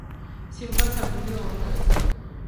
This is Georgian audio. სიმღერა თარგმნილია უამრავ ენაზე.